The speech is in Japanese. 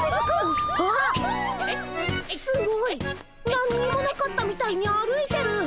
何にもなかったみたいに歩いてる！